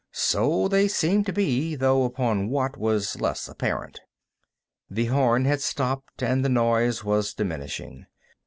So they seemed to be, though upon what was less apparent. The horn had stopped, and the noise was diminishing.